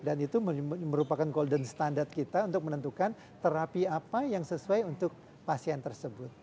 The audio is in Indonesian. dan itu merupakan standar kita untuk menentukan terapi apa yang sesuai untuk pasien tersebut